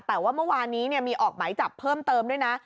แต่ว่าเมื่อวานนี้มีออกหมายจับเพิ่มเติมด้วยนะ